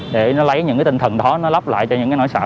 để nó lấy những cái tinh thần đó nó lắp lại cho những cái nỗi sợ